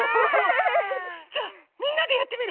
じゃみんなでやってみる？